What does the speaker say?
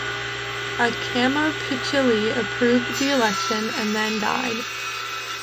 Acamapichtili approved the election, and then died.